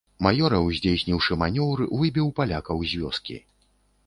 Маёраў здзейсніўшы манеўр выбіў палякаў з вёскі.